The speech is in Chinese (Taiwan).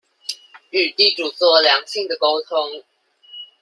與地主做良性的溝通